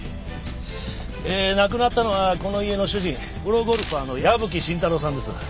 えー亡くなったのはこの家の主人プロゴルファーの矢吹伸太郎さんです。